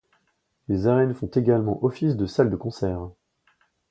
Les arènes font également office de salle de concert.